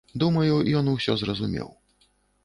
Думаю, ён усё зразумеў.